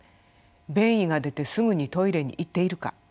便意が出てすぐにトイレに行っているか